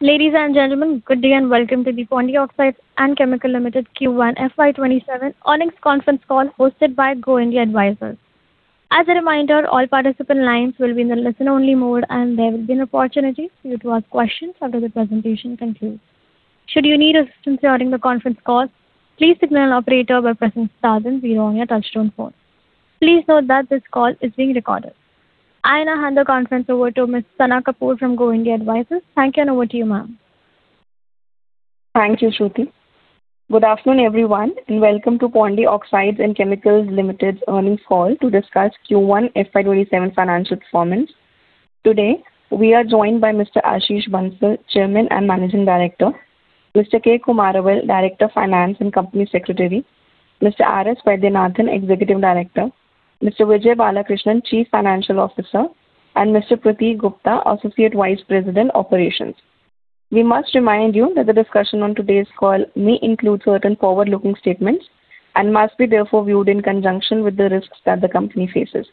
Ladies and gentlemen, good day and welcome to the Pondy Oxides and Chemicals Limited Q1 FY 2027 earnings conference call hosted by Go India Advisors. As a reminder, all participant lines will be in the listen-only mode, and there will be an opportunity for you to ask questions after the presentation concludes. Should you need assistance during the conference call, please signal an operator by pressing star and zero on your touchtone phone. Please note that this call is being recorded. I now hand the conference over to Ms. Sana Kapoor from Go India Advisors. Thank you, and over to you, ma'am. Thank you, Shruti. Good afternoon, everyone, welcome to Pondy Oxides and Chemicals Limited's earnings call to discuss Q1 FY 2027 financial performance. Today, we are joined by Mr. Ashish Bansal, Chairman and Managing Director; Mr. K. Kumaravel, Director Finance & Company Secretary; Mr. R. S. Vaidhyanathan, Executive Director; Mr. Vijay Balakrishnan, Chief Financial Officer; and Mr. Pratik Gupta, Associate Vice President, Operations. We must remind you that the discussion on today's call may include certain forward-looking statements and must be therefore viewed in conjunction with the risks that the company faces.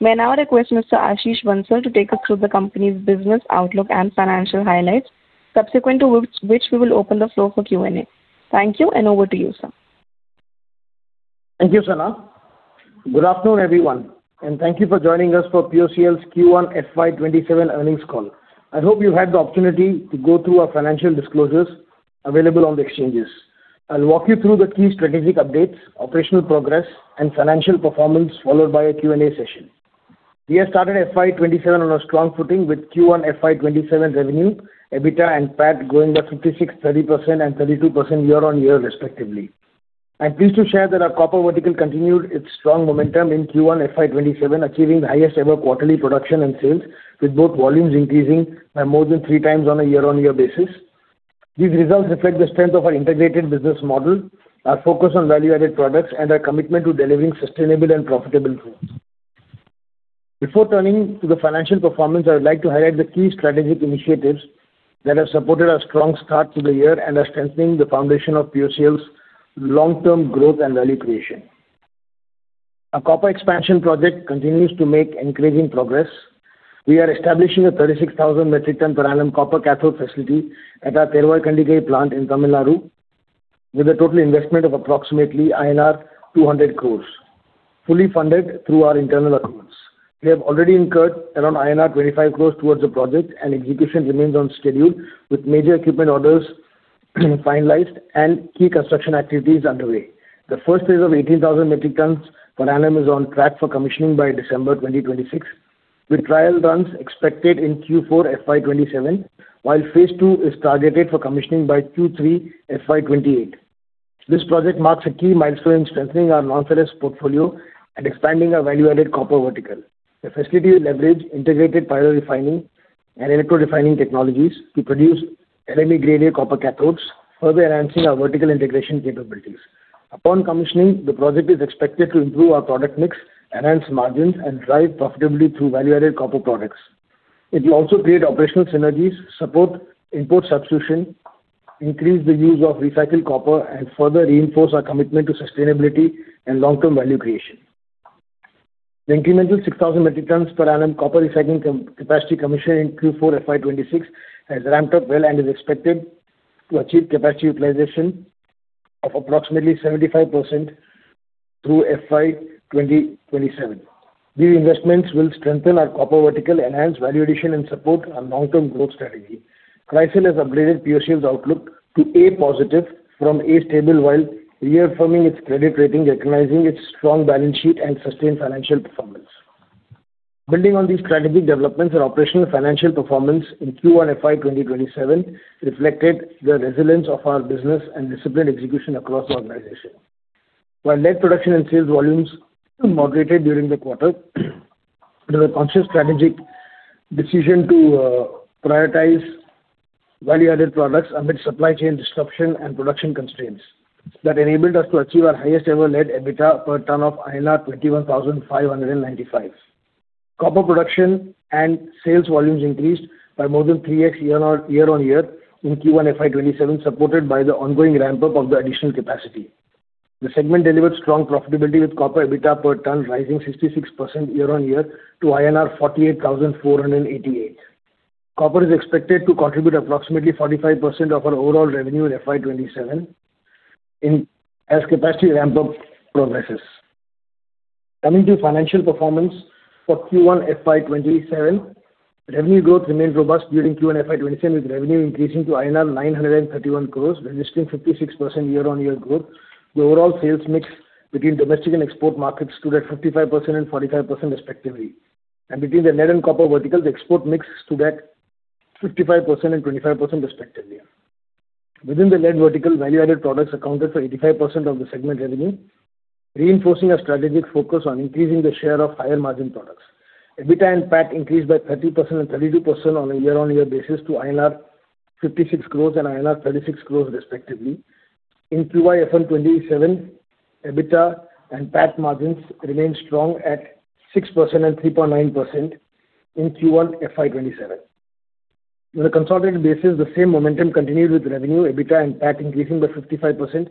May I now request Mr. Ashish Bansal to take us through the company's business outlook and financial highlights, subsequent to which we will open the floor for Q&A. Thank you, and over to you, sir. Thank you, Sana. Good afternoon, everyone, thank you for joining us for POCL's Q1 FY 2027 earnings call. I hope you had the opportunity to go through our financial disclosures available on the exchanges. I'll walk you through the key strategic updates, operational progress, and financial performance, followed by a Q&A session. We have started FY 2027 on a strong footing with Q1 FY 2027 revenue, EBITDA, and PAT going up 56%, 30%, and 32% year-on-year respectively. I'm pleased to share that our copper vertical continued its strong momentum in Q1 FY 2027, achieving the highest-ever quarterly production and sales, with both volumes increasing by more than three times on a year-on-year basis. These results reflect the strength of our integrated business model, our focus on value-added products, and our commitment to delivering sustainable and profitable growth. Before turning to the financial performance, I would like to highlight the key strategic initiatives that have supported our strong start to the year are strengthening the foundation of POCL's long-term growth and value creation. Our copper expansion project continues to make encouraging progress. We are establishing a 36,000 metric tons per annum copper cathode facility at our Thervoy Kandigai plant in Tamil Nadu with a total investment of approximately INR 200 crores, fully funded through our internal accruals. We have already incurred around INR 25 crores towards the project, execution remains on schedule with major equipment orders finalized and key construction activities underway. The first phase of 18,000 metric tons per annum is on track for commissioning by December 2026, with trial runs expected in Q4 FY 2027, while phase II is targeted for commissioning by Q3 FY 2028. This project marks a key milestone in strengthening our non-ferrous portfolio and expanding our value-added copper vertical. The facility will leverage integrated pyrometallurgy refining and electrorefining technologies to produce LME-grade A copper cathodes, further enhancing our vertical integration capabilities. Upon commissioning, the project is expected to improve our product mix, enhance margins, and drive profitability through value-added copper products. It will also create operational synergies, support import substitution, increase the use of recycled copper, and further reinforce our commitment to sustainability and long-term value creation. The incremental 6,000 metric tons per annum copper recycling capacity commissioned in Q4 FY 2026 has ramped up well and is expected to achieve capacity utilization of approximately 75% through FY 2027. These investments will strengthen our copper vertical, enhance value addition, and support our long-term growth strategy. CRISIL has upgraded POCL's outlook to A/Positive from A/Stable while reaffirming its credit rating, recognizing its strong balance sheet and sustained financial performance. Building on these strategic developments, our operational financial performance in Q1 FY 2027 reflected the resilience of our business and disciplined execution across the organization. While lead production and sales volumes moderated during the quarter, it was a conscious strategic decision to prioritize value-added products amid supply chain disruption and production constraints that enabled us to achieve our highest-ever lead EBITDA per ton of 21,595. Copper production and sales volumes increased by more than 3x year-on-year in Q1 FY 2027, supported by the ongoing ramp-up of the additional capacity. The segment delivered strong profitability, with copper EBITDA per ton rising 66% year-on-year to INR 48,488. Copper is expected to contribute approximately 45% of our overall revenue in FY 2027 as capacity ramp-up progresses. Coming to financial performance for Q1 FY 2027. Revenue growth remained robust during Q1 FY 2027, with revenue increasing to INR 931 crores, registering 56% year-on-year growth. The overall sales mix between domestic and export markets stood at 55% and 45% respectively, and between the lead and copper verticals, export mix stood at 55% and 25% respectively. Within the lead vertical, value-added products accounted for 85% of the segment revenue, reinforcing a strategic focus on increasing the share of higher-margin products. EBITDA and PAT increased by 30% and 32% on a year-on-year basis to INR 56 crores and INR 36 crores respectively. In Q1 FY 2027, EBITDA and PAT margins remained strong at 6% and 3.9% in Q1 FY 2027. On a consolidated basis, the same momentum continued, with revenue, EBITDA, and PAT increasing by 55%,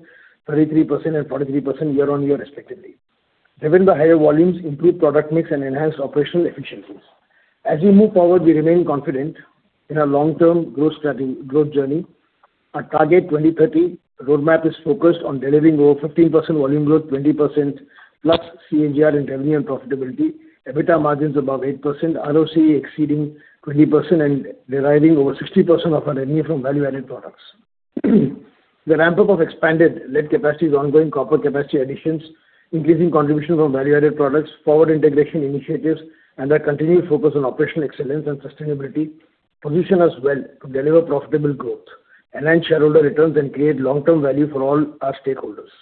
33%, and 43% year-on-year respectively. Driven by higher volumes, improved product mix, and enhanced operational efficiencies. As we move forward, we remain confident in our long-term growth journey. Our target 2030 roadmap is focused on delivering over 15% volume growth, 20%+ CAGR in revenue and profitability, EBITDA margins above 8%, ROCE exceeding 20%, and deriving over 60% of our revenue from value-added products. The ramp-up of expanded lead capacity is ongoing copper capacity additions, increasing contribution from value-added products, forward integration initiatives, and our continued focus on operational excellence and sustainability position us well to deliver profitable growth, enhance shareholder returns, and create long-term value for all our stakeholders.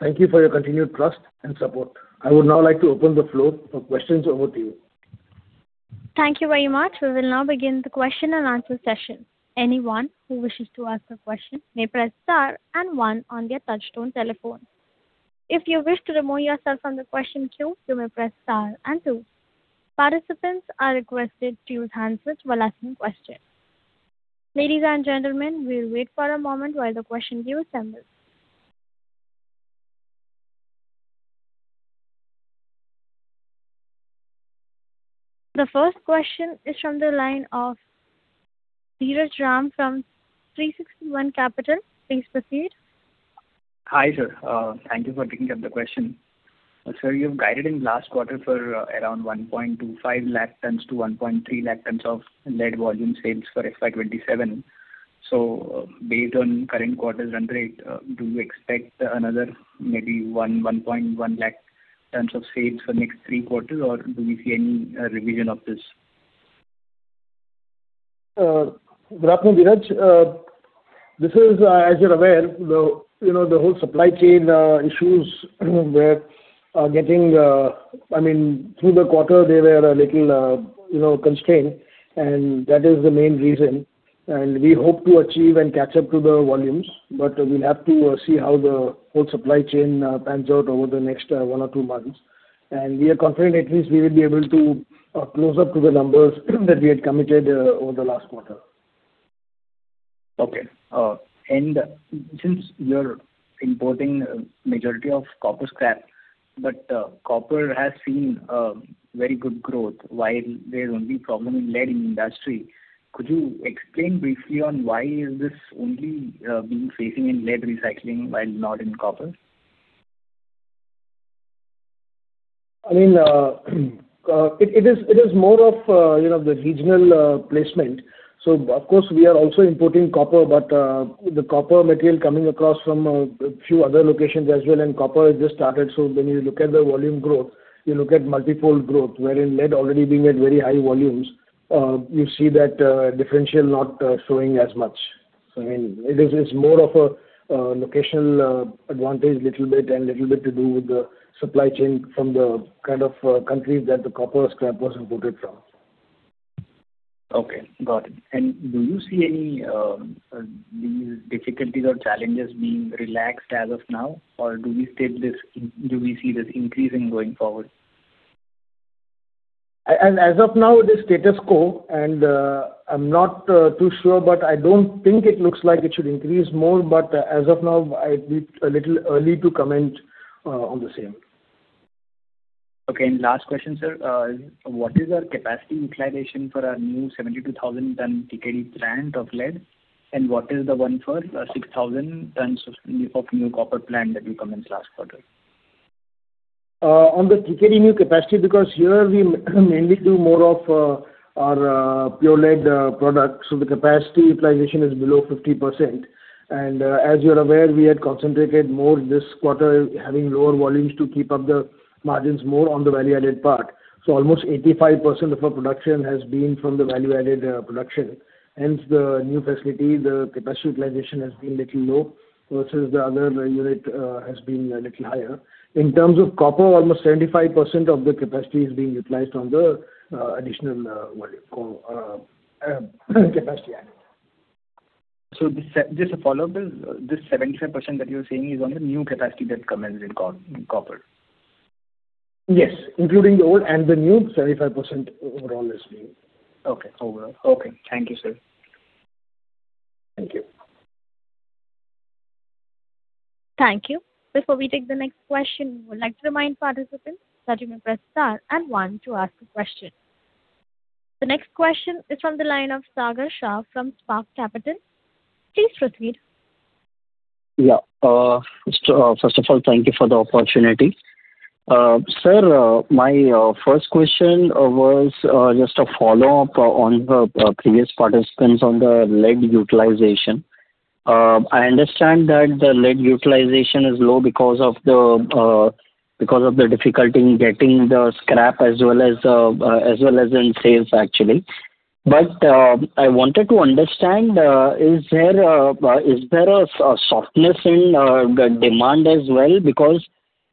Thank you for your continued trust and support. I would now like to open the floor for questions over to you. Thank you very much. We will now begin the question-and-answer session. Anyone who wishes to ask a question may press star and one on their touchtone telephone. If you wish to remove yourself from the question queue, you may press star and two. Participants are requested to use handsets while asking questions. Ladies and gentlemen, we'll wait for a moment while the question queue assembles. The first question is from the line of Dheeraj Ram from 360 ONE Capital. Please proceed. Hi, sir. Thank you for taking up the question. Sir, you've guided in last quarter for around 1.25 lakh tons to 1.3 lakh tons of lead volume sales for FY 2027. Based on current quarter run rate, do you expect another maybe 1.1 lakh tons of sales for next three quarters, or do we see any revision of this? Good afternoon, Dheeraj. As you're aware, the whole supply chain issues were, through the quarter, they were a little constrained, and that is the main reason. We hope to achieve and catch up to the volumes. We'll have to see how the whole supply chain pans out over the next one or two months. We are confident at least we will be able to close up to the numbers that we had committed over the last quarter. Okay. Since you're importing majority of copper scrap, but copper has seen very good growth while there's only problem in lead in industry. Could you explain briefly on why is this only being facing in lead recycling while not in copper? It is more of the regional placement. Of course, we are also importing copper, but the copper material coming across from a few other locations as well. Copper has just started, so when you look at the volume growth, you look at multiple growth. Wherein lead already being at very high volumes, you see that differential not showing as much. It's more of a locational advantage little bit, and little bit to do with the supply chain from the kind of countries that the copper scrap was imported from. Okay, got it. Do you see any these difficulties or challenges being relaxed as of now or do we see this increasing going forward? As of now, it is status quo. I'm not too sure, I don't think it looks like it should increase more. As of now it's a little early to comment on the same. Okay. Last question, sir. What is our capacity utilization for our new 72,000 ton TKD plant of lead, and what is the one for 6,000 tons of new copper plant that you commenced last quarter? On the TKD new capacity, because here we mainly do more of our pure lead products, the capacity utilization is below 50%. As you're aware, we had concentrated more this quarter having lower volumes to keep up the margins more on the value-added part. Almost 85% of our production has been from the value-added production. The new facility, the capacity utilization has been little low versus the other unit has been a little higher. In terms of copper, almost 75% of the capacity is being utilized on the additional capacity added. Just a follow-up. This 75% that you're saying is on the new capacity that commenced in copper? Yes. Including the old and the new, 75% overall is being used. Okay. Overall. Okay. Thank you, sir. Thank you. Thank you. Before we take the next question, we would like to remind participants that you may press star and one to ask a question. The next question is from the line of Sagar Shah from Spark Capital. Please proceed. First of all, thank you for the opportunity. Sir, my first question was just a follow-up on the previous participants on the lead utilization. I understand that the lead utilization is low because of the difficulty in getting the scrap as well as in sales, actually. I wanted to understand, is there a softness in the demand as well?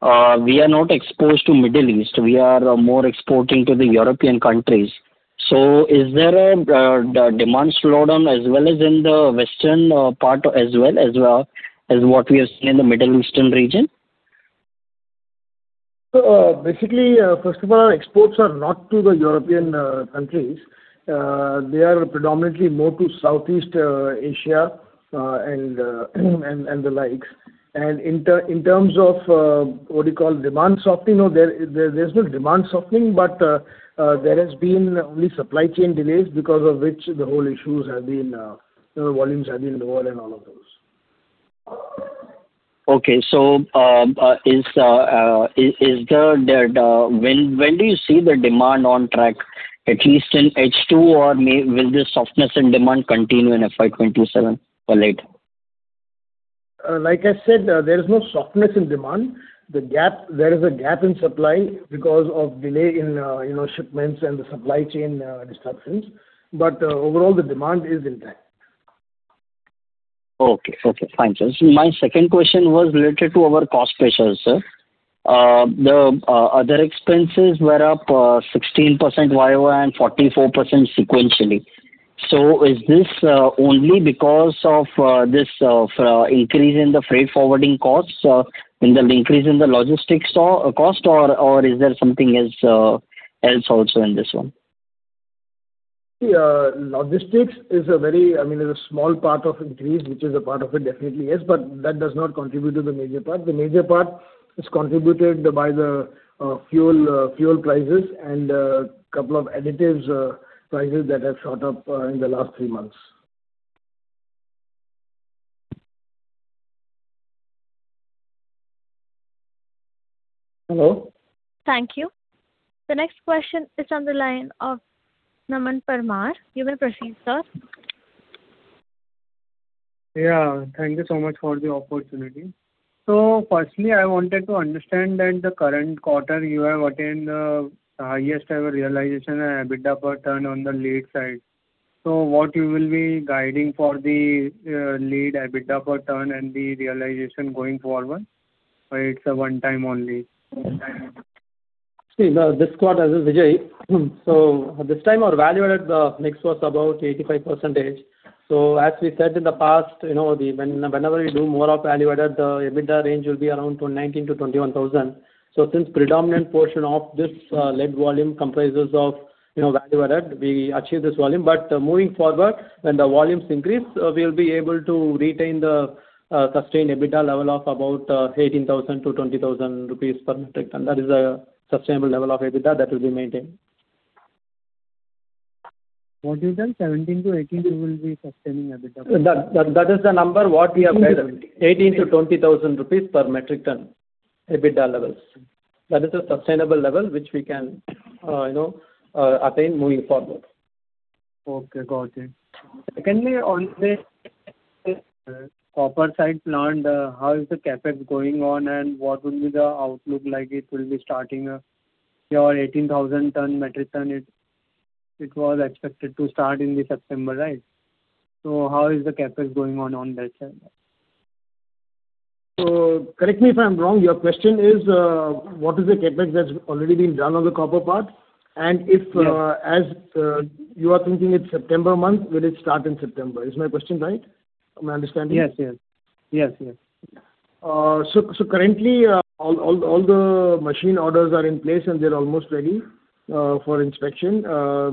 We are not exposed to Middle East, we are more exporting to the European countries. Is there a demand slowdown as well as in the Western part as well as what we have seen in the Middle Eastern region? Basically, first of all, our exports are not to the European countries. They are predominantly more to Southeast Asia and the likes. In terms of what you call demand softening, there's no demand softening, but there has been only supply chain delays, because of which the volumes have been lower and all of those. When do you see the demand on track? At least in H2 or will this softness in demand continue in FY 2027 or later? Like I said, there is no softness in demand. There is a gap in supply because of delay in shipments and the supply chain disruptions, but overall, the demand is intact. Okay. Fine. Sir, my second question was related to our cost pressures, sir. The other expenses were up 16% year-over-year and 44% sequentially. Is this only because of this increase in the freight forwarding costs or in the increase in the logistics cost or is there something else also in this one? See, logistics is a very small part of increase, which is a part of it, definitely yes, but that does not contribute to the major part. The major part is contributed by the fuel prices and a couple of additives prices that have shot up in the last three months. Hello? Thank you. The next question is on the line of Naman Parmar. You may proceed, sir. Yeah. Thank you so much for the opportunity. Firstly, I wanted to understand that the current quarter you have attained the highest ever realization and EBITDA per ton on the lead side. What you will be guiding for the lead EBITDA per ton and the realization going forward? Or it is a one time only? See, this quarter, this is Vijay. This time our value-added mix was about 85%. As we said in the past, whenever we do more of value-added, the EBITDA range will be around 19,000-21,000. Since predominant portion of this lead volume comprises of value-added, we achieve this volume. Moving forward, when the volumes increase, we will be able to retain the sustained EBITDA level of about 18,000-20,000 rupees per metric ton. That is a sustainable level of EBITDA that will be maintained. What you said, 17,000-18,000 you will be sustaining EBITDA? That is the number what we have said. 18,000-20,000 rupees per metric ton EBITDA levels. That is a sustainable level which we can attain moving forward. Okay, got it. Secondly, on the copper side plant, how is the CapEx going on and what will be the outlook like it will be starting your 18,000 ton metric ton. It was expected to start in the September, right? How is the CapEx going on on that side? Correct me if I'm wrong, your question is, what is the CapEx that's already been done on the copper part and if. Yes. As you are thinking it's September month, will it start in September? Is my question right? Am I understanding? Yes. Currently, all the machine orders are in place, and they're almost ready for inspection.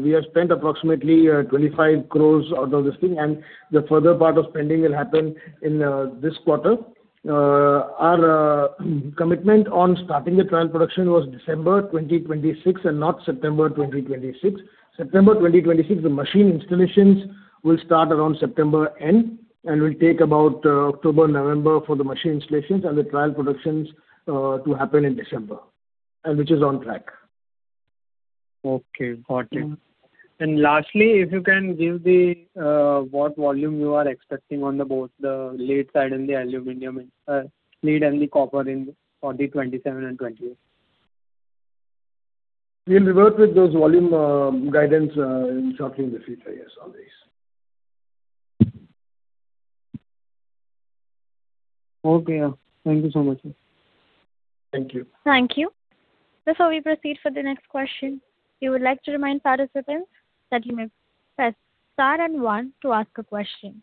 We have spent approximately 25 crore out of this thing, and the further part of spending will happen in this quarter. Our commitment on starting the trial production was December 2026 and not September 2026. September 2026, the machine installations will start around September end, and will take about October, November for the machine installations and the trial productions to happen in December, which is on track. Okay, got it. Lastly, if you can give what volume you are expecting on the both the lead side and the lead and the copper for the 2027 and 2028. We'll revert with those volume guidance shortly in the future. Yes, on this. Okay. Thank you so much. Thank you. Thank you. Before we proceed for the next question, we would like to remind participants that you may press star and one to ask a question.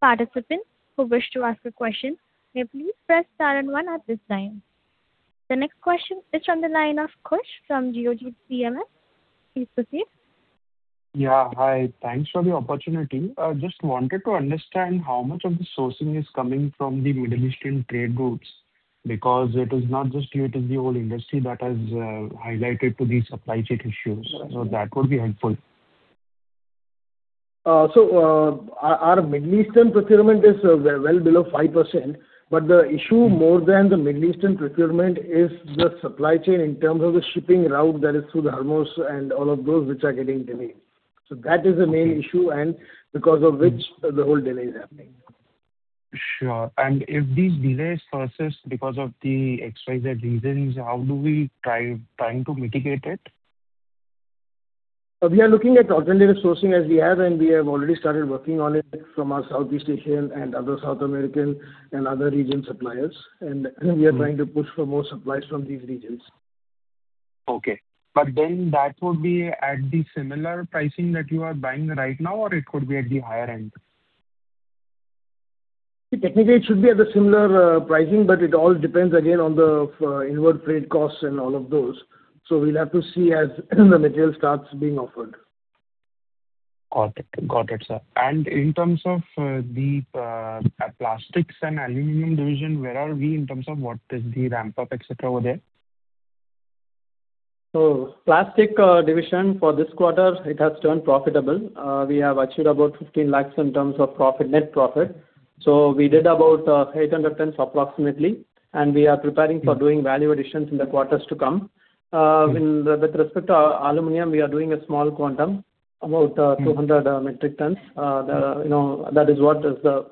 Participants who wish to ask a question may please press star and one at this time. The next question is on the line of Khush from Geojit Financial Services. Please proceed. Yeah, hi. Thanks for the opportunity. Just wanted to understand how much of the sourcing is coming from the Middle Eastern trade routes because it is not just you, it is the whole industry that has highlighted to the supply chain issues. That would be helpful. Our Middle Eastern procurement is well below 5%, but the issue more than the Middle Eastern procurement is the supply chain in terms of the shipping route that is through the Hormuz and all of those which are getting delayed. That is the main issue and because of which the whole delay is happening. Sure. If these delays persist because of the XYZ reasons, how do we trying to mitigate it? We are looking at alternative sourcing as we have, and we have already started working on it from our Southeast Asian and other South American and other region suppliers. We are trying to push for more supplies from these regions. Okay. That would be at the similar pricing that you are buying right now, or it could be at the higher end? Technically, it should be at the similar pricing, but it all depends again on the inward freight costs and all of those. We'll have to see as the material starts being offered. Got it, sir. In terms of the plastics and aluminum division, where are we in terms of what is the ramp-up, et cetera, over there? Plastic division for this quarter, it has turned profitable. We have achieved about 15 lakhs in terms of net profit. We did about 800 tons approximately, we are preparing for doing value additions in the quarters to come. With respect to aluminum, we are doing a small quantum, about 200 metric tons. That is what is the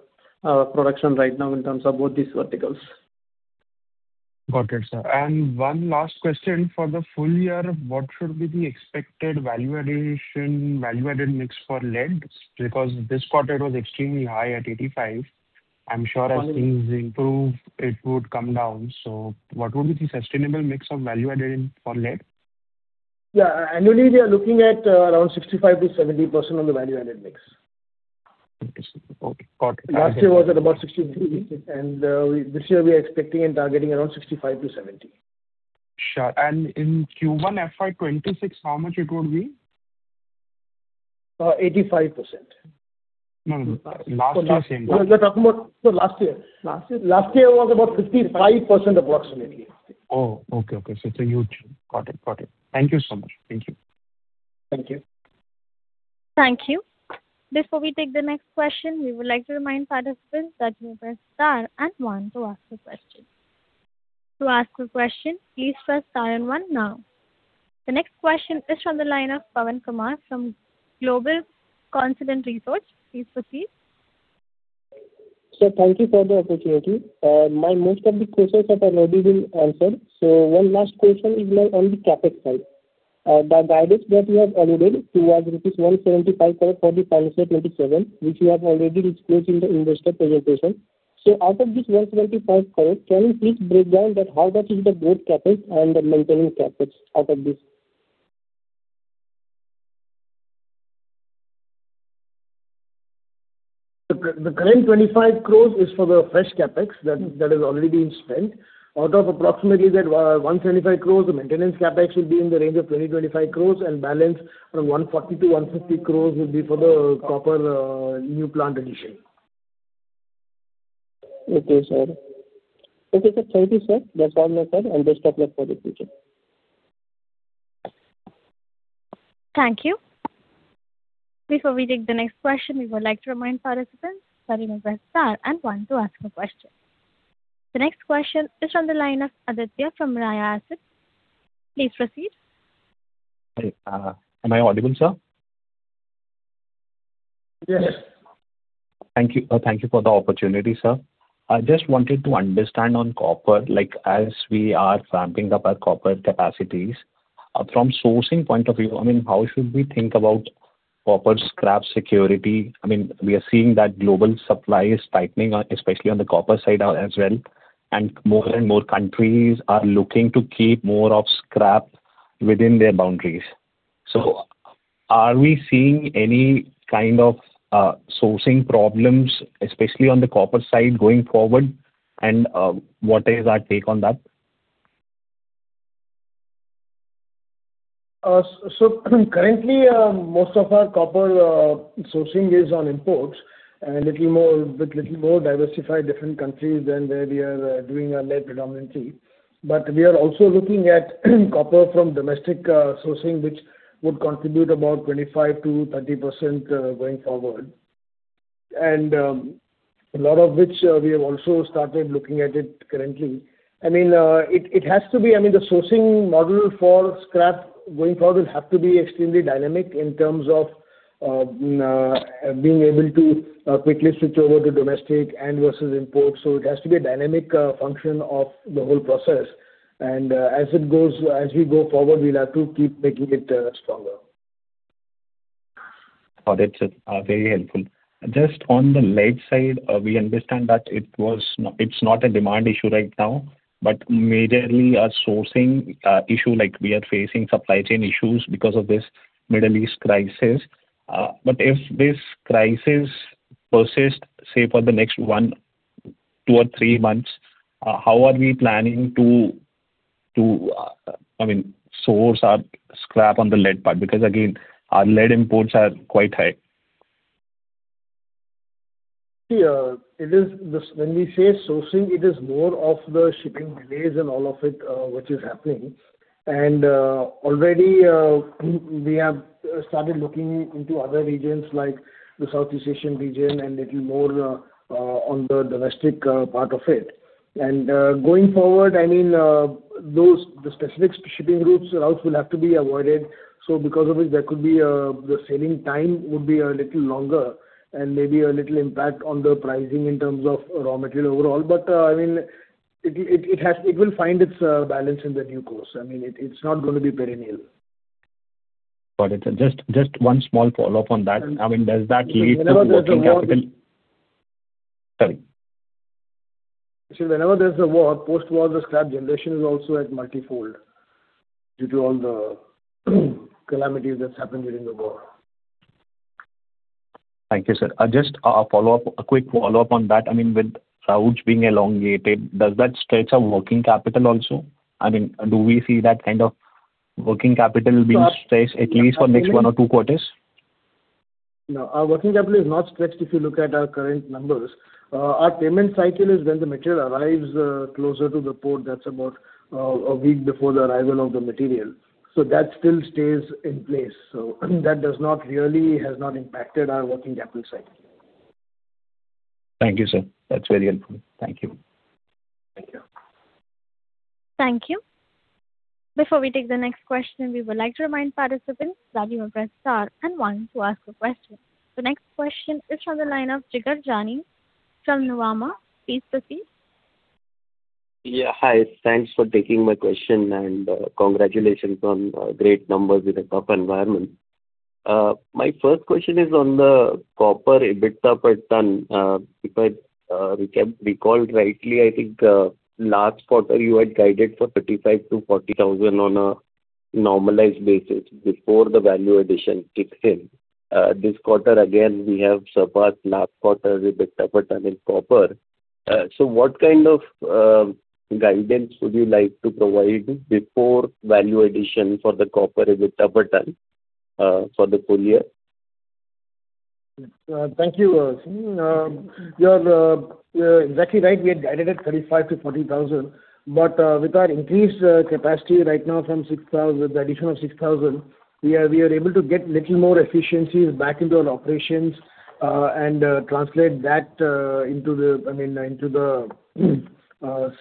production right now in terms of both these verticals. Got it, sir. One last question. For the full year, what should be the expected value-added mix for lead? Because this quarter it was extremely high at 85%. I'm sure as things improve, it would come down. What would be the sustainable mix of value added in for lead? Yeah. Annually, we are looking at around 65%-70% on the value-added mix. Okay. Got it. Last year was at about 63%, and this year we are expecting and targeting around 65%-70%. In Q1 FY 2026, how much it would be? 85%. No, last year. You're talking about last year. Last year it was about 65% approximately. Oh, okay. It's a huge Got it. Thank you so much. Thank you. Thank you. Thank you. Before we take the next question, we would like to remind participants that you press star and one to ask a question. To ask a question, please press star and one now. The next question is from the line of Pawan Kumar from Global Conscient Research. Please proceed. Sir, thank you for the opportunity. Most of the questions have already been answered. One last question is on the CapEx side. The guidance that you have alluded towards rupees 175 crore for the financial 2027, which you have already disclosed in the investor presentation. Out of this 175 crore, can you please break down that how that is the growth CapEx and the maintenance CapEx out of this? The current 25 crore is for the fresh CapEx that has already been spent. Out of approximately that 175 crore, the maintenance CapEx will be in the range of 20 crore-25 crore, and balance from 140 crore-150 crore will be for the copper new plant addition. Okay, sir. Thank you, sir. That is all my side, and best of luck for the future. Thank you. Before we take the next question, we would like to remind participants that you may press star and one to ask a question. The next question is from the line of Aditya from Raya Asset. Please proceed. Hi. Am I audible, sir? Yes. Thank you for the opportunity, sir. I just wanted to understand on copper, as we are ramping up our copper capacities. From sourcing point of view, how should we think about copper scrap security? We are seeing that global supply is tightening, especially on the copper side as well, and more and more countries are looking to keep more of scrap within their boundaries. Are we seeing any kind of sourcing problems, especially on the copper side going forward? What is our take on that? Currently, most of our copper sourcing is on imports and with little more diversified different countries than where we are doing our lead predominantly. We are also looking at copper from domestic sourcing, which would contribute about 25%-30% going forward. A lot of which we have also started looking at it currently. The sourcing model for scrap going forward will have to be extremely dynamic in terms of being able to quickly switch over to domestic and versus imports. It has to be a dynamic function of the whole process. As we go forward, we'll have to keep making it stronger. Got it, sir. Very helpful. Just on the lead side, we understand that it's not a demand issue right now, but majorly a sourcing issue, like we are facing supply chain issues because of this Middle East crisis. If this crisis persists, say for the next one, two, or three months, how are we planning to source our scrap on the lead part? Because again, our lead imports are quite high. See, when we say sourcing, it is more of the shipping delays and all of it, which is happening. Already, we have started looking into other regions like the Southeast Asian region and little more on the domestic part of it. Going forward, the specific shipping routes will have to be avoided. Because of it, the sailing time would be a little longer and maybe a little impact on the pricing in terms of raw material overall. It will find its balance in the due course. It's not going to be perennial. Got it, sir. Just one small follow-up on that. Does that lead to working capital? Sorry. See, whenever there's a war, post-war, the scrap generation is also at multi-fold due to all the calamities that happened during the war. Thank you, sir. Just a quick follow-up on that. With routes being elongated, does that stretch our working capital also? Do we see that kind of working capital being stretched at least for next one or two quarters? No, our working capital is not stretched if you look at our current numbers. Our payment cycle is when the material arrives closer to the port, that's about a week before the arrival of the material. That still stays in place. That does not really has not impacted our working capital cycle. Thank you, sir. That's very helpful. Thank you. Thank you. Thank you. Before we take the next question, we would like to remind participants that you may press star and one to ask a question. The next question is from the line of Jigar Jani from Nuvama. Please proceed. Hi. Thanks for taking my question, and congratulations on great numbers in a tough environment. My first question is on the copper EBITDA per ton. If I recall rightly, I think last quarter you had guided for 35,000-40,000 on a normalized basis before the value addition kicks in. This quarter, again, we have surpassed last quarter's EBITDA per ton in copper. What kind of guidance would you like to provide before value addition for the copper EBITDA per ton for the full year? Thank you. You are exactly right. We had guided at 35,000-40,000. With our increased capacity right now with the addition of 6,000, we are able to get little more efficiencies back into our operations and translate that into the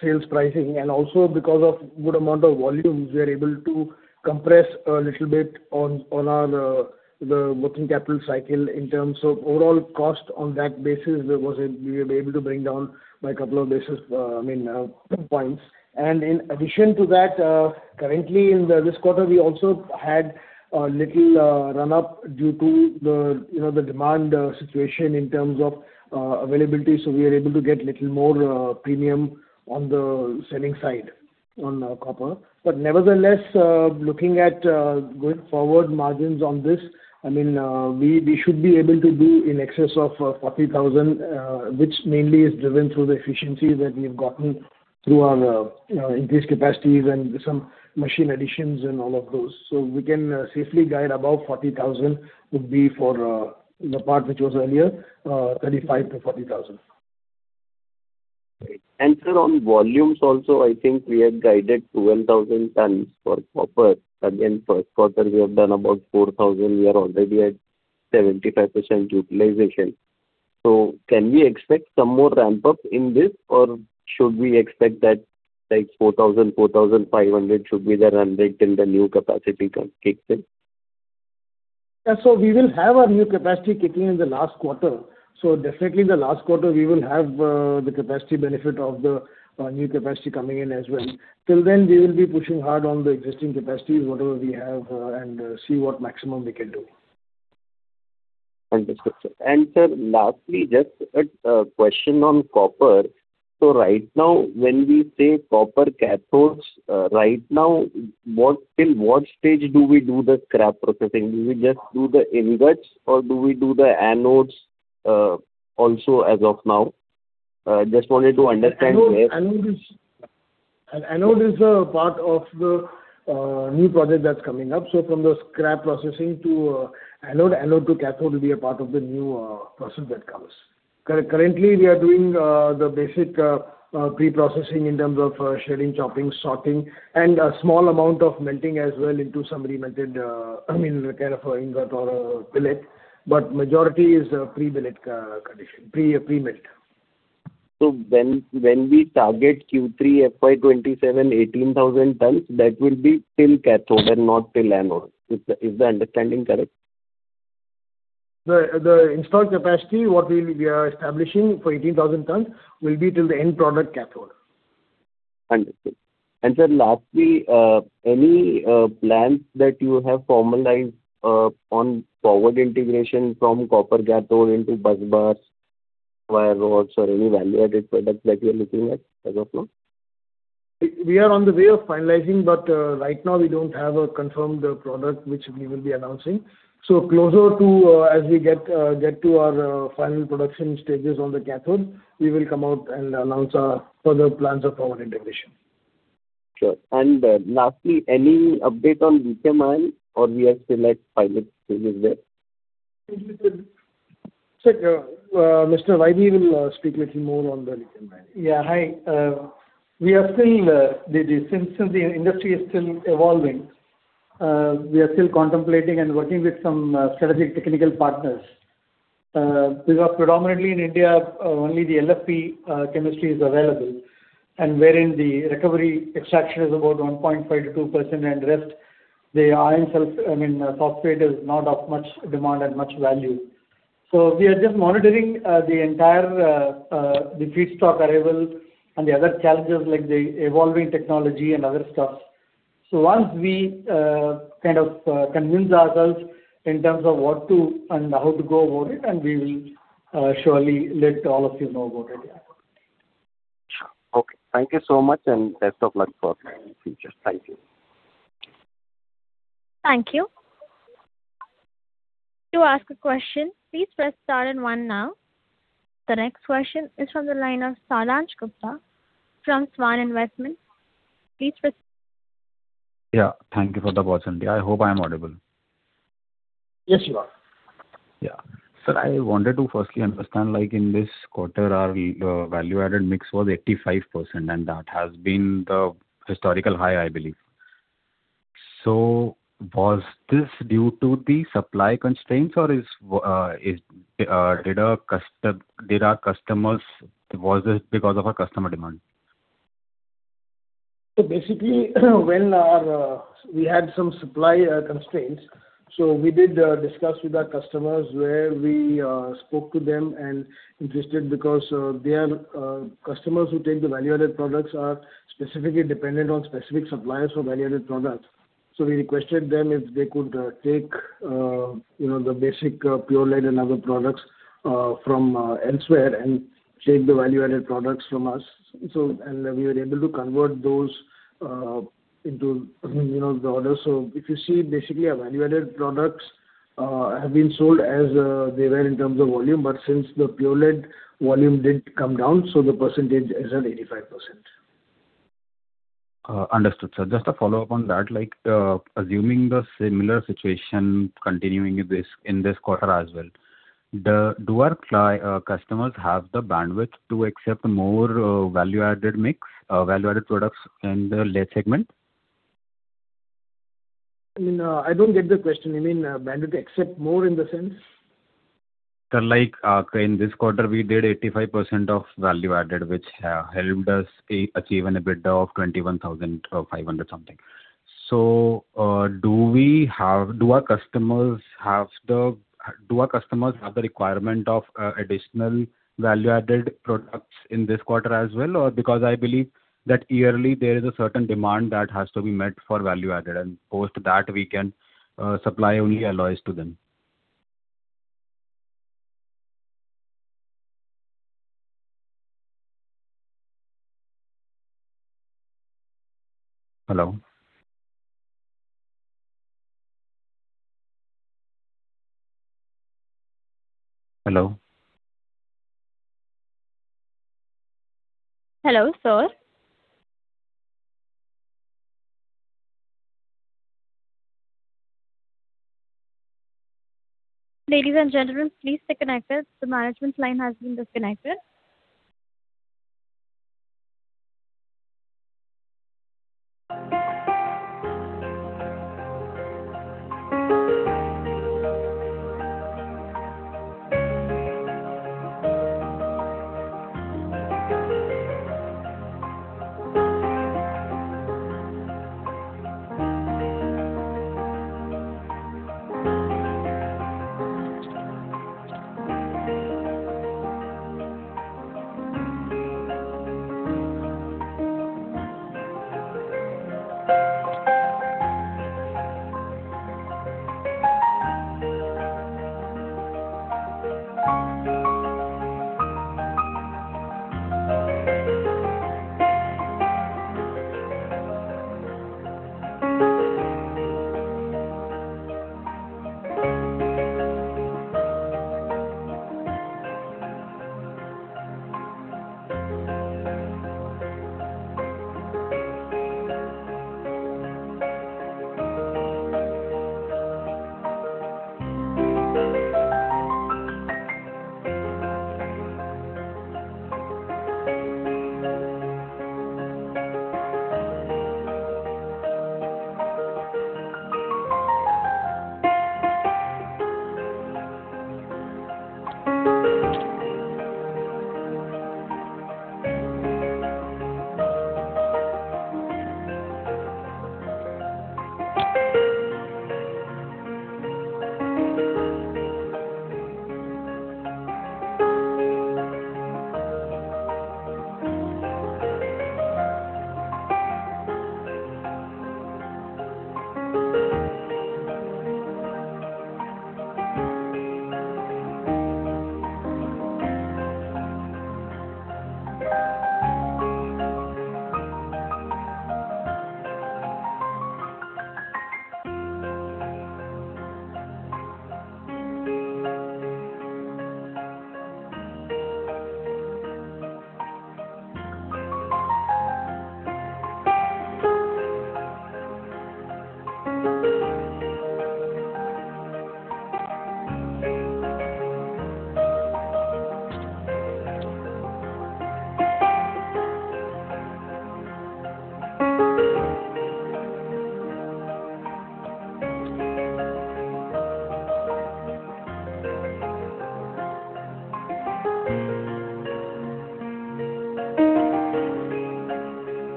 sales pricing. Also because of good amount of volumes, we are able to compress a little bit on our working capital cycle in terms of overall cost on that basis, we were able to bring down by a couple of basis points. In addition to that, currently in this quarter, we also had a little run-up due to the demand situation in terms of availability. We are able to get little more premium on the selling side on copper. Nevertheless, looking at going forward margins on this, we should be able to do in excess of 40,000, which mainly is driven through the efficiency that we have gotten through our increased capacities and some machine additions and all of those. We can safely guide above 40,000 would be for the part which was earlier 35,000-40,000. Great. Sir, on volumes also, I think we had guided 12,000 tons for copper. Again, first quarter we have done about 4,000. We are already at 75% utilization. Can we expect some more ramp-up in this or should we expect that like 4,000, 4,500 should be the run rate till the new capacity can kick in? We will have our new capacity kicking in the last quarter. Definitely the last quarter, we will have the capacity benefit of the new capacity coming in as well. Till then, we will be pushing hard on the existing capacity, whatever we have and see what maximum we can do. Understood, sir. Sir, lastly, just a question on copper. Right now when we say copper cathodes right now, till what stage do we do the scrap processing? Do we just do the ingots or do we do the anodes also as of now? Just wanted to understand where. Anode is a part of the new project that's coming up. From the scrap processing to anode to cathode will be a part of the new process that comes. Currently, we are doing the basic pre-processing in terms of shredding, chopping, sorting, and a small amount of melting as well into some remelted kind of ingot or a billet, but majority is a pre-billet condition, pre-melt. When we target Q3 FY 2027 18,000 tons, that will be till cathode and not till anode. Is the understanding correct? The installed capacity, what we are establishing for 18,000 tons will be till the end product cathode. Understood. Sir, lastly, any plans that you have formalized on forward integration from copper cathode into busbars, wire rods or any value-added products that you're looking at as of now? We are on the way of finalizing. Right now we don't have a confirmed product which we will be announcing. Closer to as we get to our final production stages on the cathode, we will come out and announce our further plans of forward integration. Sure. Lastly, any update on lithium ion or we are still at pilot stages there? Sir, Mr. Pratik will speak little more on the lithium ion. Yeah. Hi. The industry is still evolving, we are still contemplating and working with some strategic technical partners. Predominantly in India, only the LFP chemistry is available and wherein the recovery extraction is about 1.5%-2% and rest, the iron sulfate is not of much demand and much value. We are just monitoring the entire feedstock arrival and the other challenges like the evolving technology and other stuff. Once we kind of convince ourselves in terms of what to and how to go about it and we will surely let all of you know about it. Sure. Okay. Thank you so much and best of luck for future. Thank you. Thank you. To ask a question, please press star and one now. The next question is from the line of Saransh Gupta from SVAN Investment. Please press. Yeah, thank you for the opportunity. I hope I am audible. Yes, you are. Yeah. Sir, I wanted to firstly understand, in this quarter, our value-added mix was 85%, and that has been the historical high, I believe. Was this due to the supply constraints or was this because of our customer demand? Basically, we had some supply constraints. We did discuss with our customers where we spoke to them and interested because customers who take the value-added products are specifically dependent on specific suppliers for value-added products. We requested them if they could take the basic pure lead and other products from elsewhere and take the value-added products from us. We were able to convert those into the order. If you see basically our value-added products have been sold as they were in terms of volume, but since the pure lead volume did come down, the percentage is at 85%. Understood, sir. Just a follow-up on that. Assuming the similar situation continuing in this quarter as well, do our customers have the bandwidth to accept more value-added products in the lead segment? I don't get the question. You mean bandwidth to accept more in the sense? Sir, in this quarter, we did 85% of value-added, which helped us achieve an EBITDA of 21,500 something. Do our customers have the requirement of additional value-added products in this quarter as well? Because I believe that yearly there is a certain demand that has to be met for value-added, and post that we can supply only alloys to them. Hello? Hello? Hello, sir. Ladies and gentlemen, please stay connected. The management line has been disconnected.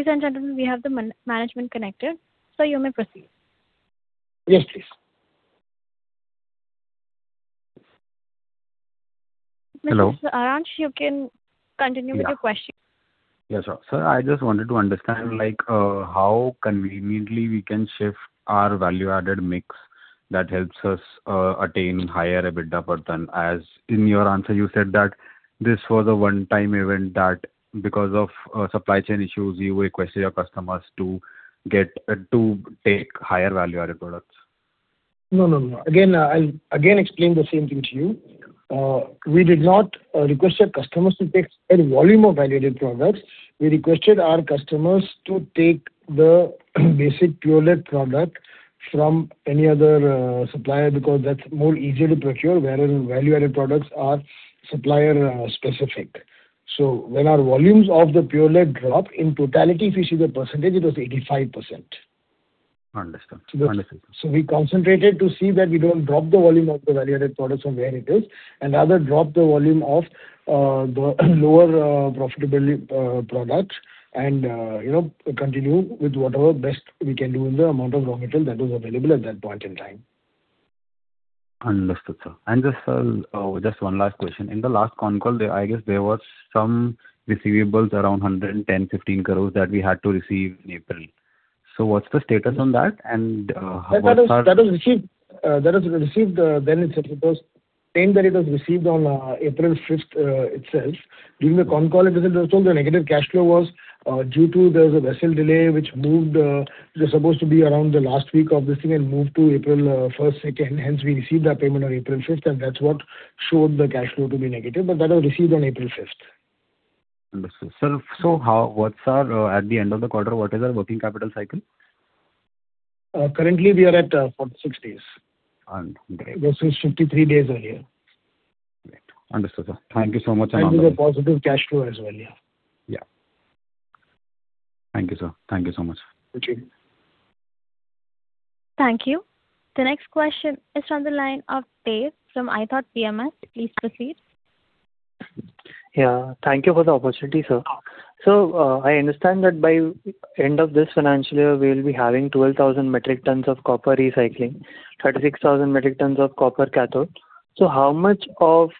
Ladies and gentlemen, we have the management connected. Sir, you may proceed. Yes, please. Hello. Mr. Saransh, you can continue with your question. Yeah, sure. Sir, I just wanted to understand how conveniently we can shift our value-added mix that helps us attain higher EBITDA per ton, as in your answer, you said that this was a one-time event that because of supply chain issues, you requested your customers to take higher value-added products. No. I'll again explain the same thing to you. We did not request our customers to take any volume of value-added products. We requested our customers to take the basic pure lead product from any other supplier because that's more easier to procure, whereas value-added products are supplier specific. When our volumes of the pure lead drop, in totality, if you see the percentage, it was 85%. Understood. We concentrated to see that we don't drop the volume of the value-added products from where it is, and rather drop the volume of the lower profitability products and continue with whatever best we can do in the amount of raw material that was available at that point in time. Understood, sir. Just one last question. In the last con call, I guess there was some receivables around 110 crore, 115 crore that we had to receive in April. What's the status on that? That was received. It was claimed that it was received on April 5th itself. During the con call, it was told the negative cash flow was due to a vessel delay, which was supposed to be around the last week of this thing and moved to April 1st, 2nd. Hence, we received that payment on April 5th, and that's what showed the cash flow to be negative. That was received on April 5th. Understood. Sir, at the end of the quarter, what is our working capital cycle? Currently, we are at 46 days. Okay. Versus 53 days earlier. Great. Understood, sir. Thank you so much and all the best. We have a positive cash flow as well, yeah. Yeah. Thank you, sir. Thank you so much. Thank you. Thank you. The next question is on the line of Dev from ithoughtPMS. Please proceed. Yeah. Thank you for the opportunity, sir. I understand that by end of this financial year, we'll be having 12,000 metric tons of copper recycling, 36,000 metric tons of copper cathode. How much of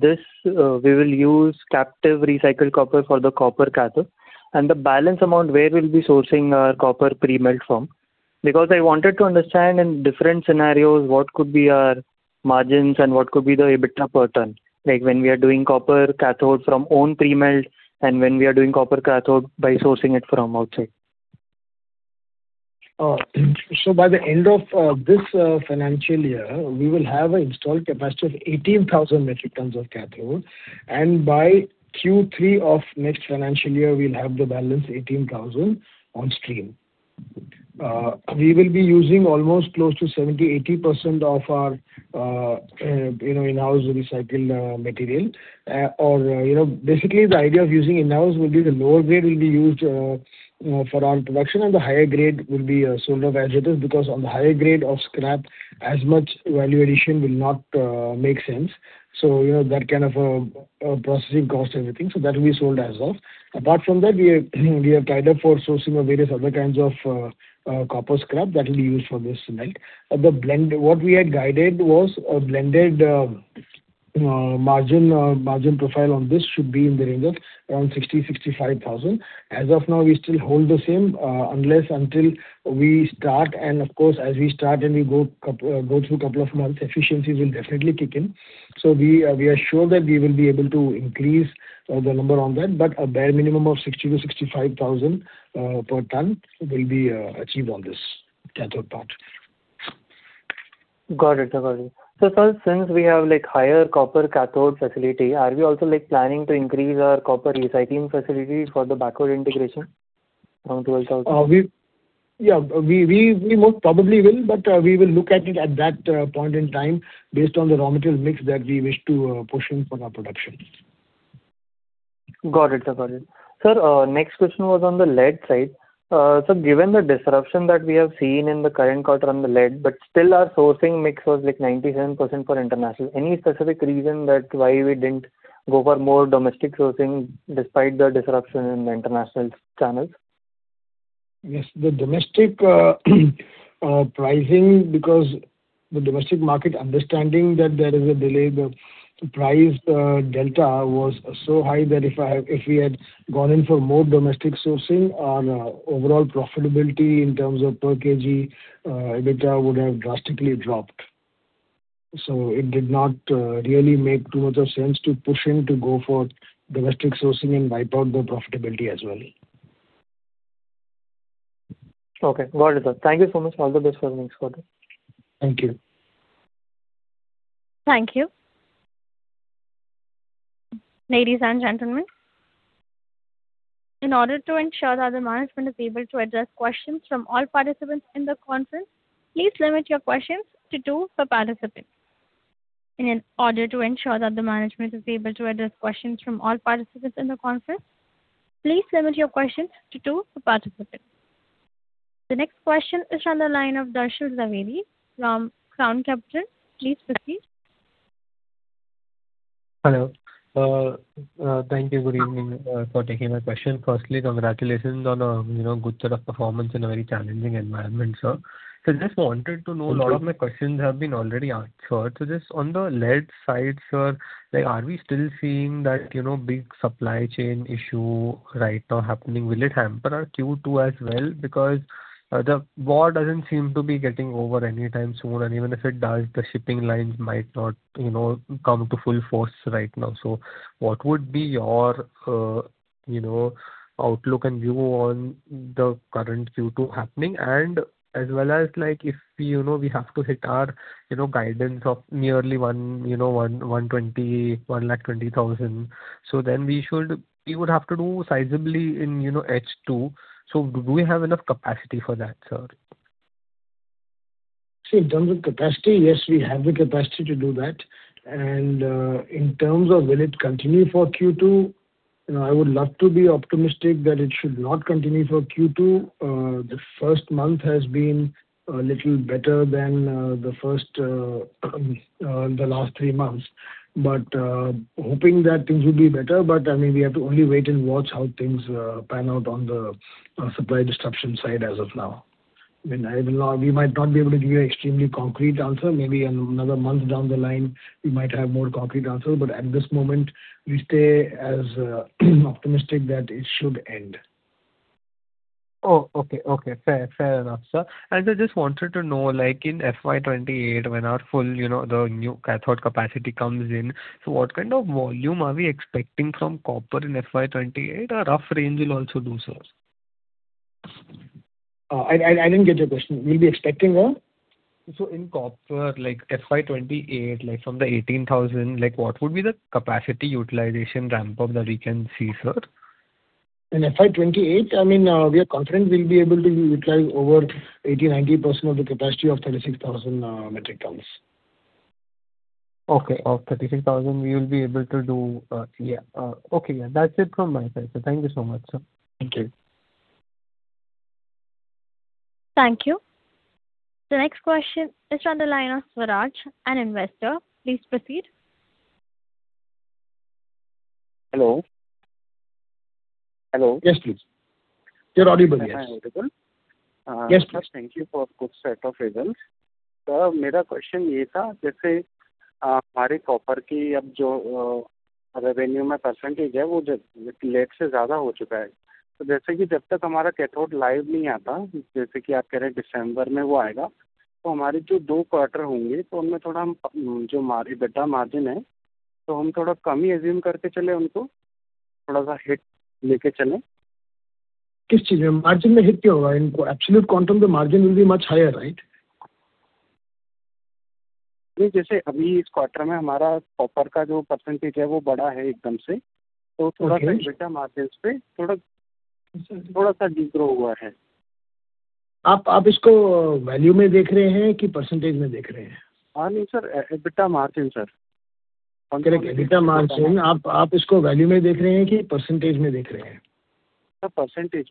this we will use captive recycled copper for the copper cathode, and the balance amount, where we'll be sourcing our copper pre-melt from? I wanted to understand in different scenarios what could be our margins and what could be the EBITDA per ton, like when we are doing copper cathode from own pre-melt and when we are doing copper cathode by sourcing it from outside. By the end of this financial year, we will have an installed capacity of 18,000 metric tons of cathode. By Q3 of next financial year, we'll have the balance 18,000 on stream. We will be using almost close to 70%-80% of our in-house recycled material. Basically, the idea of using in-house will be the lower grade will be used for our production and the higher grade will be sold off as it is, because on the higher grade of scrap, as much value addition will not make sense. That kind of a processing cost and everything. That will be sold as well. Apart from that, we have tied up for sourcing of various other kinds of copper scrap that will be used for this melt. What we had guided was a blended margin profile on this should be in the range of around 60,000-65,000. As of now, we still hold the same unless until we start and of course, as we start and we go through couple of months, efficiencies will definitely kick in. We are sure that we will be able to increase the number on that, but a bare minimum of 60,000-65,000 per ton will be achieved on this cathode part. Got it. Sir, since we have higher copper cathode facility, are we also planning to increase our copper recycling facility for the backward integration from 12,000? Yeah. We most probably will, but we will look at it at that point in time based on the raw material mix that we wish to push in for our productions. Got it, sir. Sir, next question was on the lead side. Sir, given the disruption that we have seen in the current quarter on the lead, still our sourcing mix was 97% for international. Any specific reason why we didn't go for more domestic sourcing despite the disruption in the international channels? Yes, the domestic pricing, because the domestic market understanding that there is a delay, the price delta was so high that if we had gone in for more domestic sourcing, our overall profitability in terms of per kg EBITDA would have drastically dropped. It did not really make too much of sense to push in to go for domestic sourcing and wipe out the profitability as well. Okay, got it, sir. Thank you so much. All the best for the next quarter. Thank you. Thank you. Ladies and gentlemen, in order to ensure that the management is able to address questions from all participants in the conference, please limit your questions to two per participant. In order to ensure that the management is able to address questions from all participants in the conference, please limit your questions to two per participant. The next question is on the line of Darshil Zaveri from Crown Capital. Please proceed. Hello. Thank you. Good evening. For taking my question. Firstly, congratulations on a good set of performance in a very challenging environment, sir. I just wanted to know, a lot of my questions have been already answered. Just on the lead side, sir, are we still seeing that big supply chain issue right now happening? Will it hamper our Q2 as well? The war doesn't seem to be getting over anytime soon, and even if it does, the shipping lines might not come to full force right now. What would be your outlook and view on the current Q2 happening and as well as if we have to hit our guidance of nearly INR 120, 1 lakh 20,000 then we would have to do sizably in H2. Do we have enough capacity for that, sir? See, in terms of capacity, yes, we have the capacity to do that. In terms of will it continue for Q2, I would love to be optimistic that it should not continue for Q2. The first month has been a little better than the last three months. Hoping that things will be better, but we have to only wait and watch how things pan out on the supply disruption side as of now. We might not be able to give you extremely concrete answer. Maybe another month down the line, we might have more concrete answer, but at this moment, we stay as optimistic that it should end. Oh, okay. Fair enough, sir. I just wanted to know, like in FY 2028, when our full, the new cathode capacity comes in, what kind of volume are we expecting from copper in FY 2028? A rough range will also do, sir. I didn't get your question. We'll be expecting a. In copper, like FY 2028, from the 18,000, what would be the capacity utilization ramp-up that we can see, sir? In FY 2028, we are confident we'll be able to utilize over 80%, 90% of the capacity of 36,000 metric tons. Okay. Of 36,000, we will be able to do. Yeah. Okay. That's it from my side, sir. Thank you so much, sir. Thank you. Thank you. The next question is on the line of Swaraj, an investor. Please proceed. Hello? Hello? Yes, please. You're audible, yes. I'm audible. Yes, please. Thank you for good set of results. Sir, my question is, the percentage of our copper in the revenue has now increased from lead. Until our cathode comes live, like you are saying it will come in December, in the two quarters we will have, shall we assume a slightly lower EBITDA margin and take a little hit? Hit in what? The margin will be hit. In absolute quantum, the margin will be much higher, right? No, like right now in this quarter, our copper percentage has increased significantly. The EBITDA margin has de-grown a little. Are you looking at it in value or in percentage? No, sir. EBITDA margin, sir. Look, EBITDA margin. Are you looking at it in value or in percentage? Sir, percentage.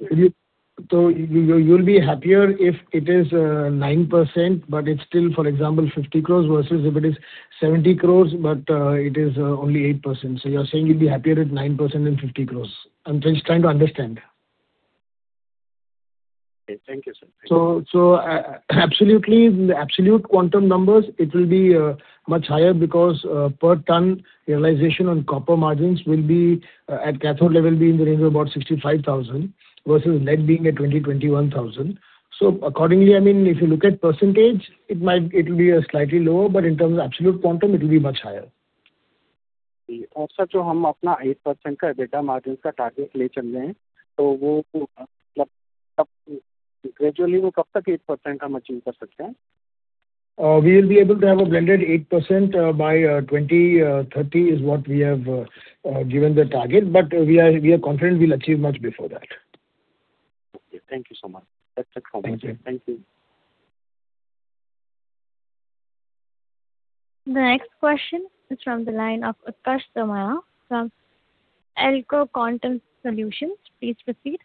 You'll be happier if it is 9%, but it's still, for example, 50 crores versus if it is 70 crores, but it is only 8%. You're saying you'll be happier at 9% and 50 crores. I'm just trying to understand. Thank you, sir. Absolutely, in the absolute quantum numbers, it will be much higher because, per ton realization on copper margins will be, at cathode level, be in the range of about 65,000 versus lead being at 20,000-21,000. Accordingly, if you look at percentage, it will be slightly lower, but in terms of absolute quantum, it will be much higher. Sir, the 8% EBITDA margin target that we are aiming for, when can we achieve it gradually? We will be able to have a blended 8% by 2030 is what we have given the target. We are confident we'll achieve much before that. Okay. Thank you so much. That's it from my side. Thank you. Thank you. The next question is from the line of Utkarsh Somaiya from Eiko Quantum Solutions. Please proceed.